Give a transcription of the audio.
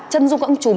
trân dung ấn chùm